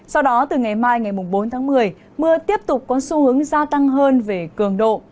sau đó từ ngày mai ngày bốn tháng một mươi mưa tiếp tục có xu hướng gia tăng hơn về cường độ